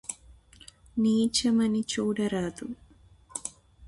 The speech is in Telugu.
నీచమని చూడరాదు